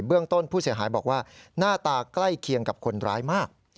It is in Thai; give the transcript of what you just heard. เรื่องต้นผู้เสียหายบอกว่าหน้าตาใกล้เคียงกับคนร้ายมาก